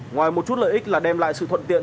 nếu chú ý lợi ích là đem lại sự thuận tiện